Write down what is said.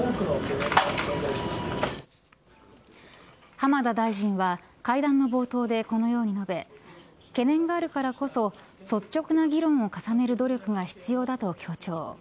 浜田大臣は会談の冒頭でこのように述べ懸念があるからこそ率直な議論を重ねる努力が必要だと強調。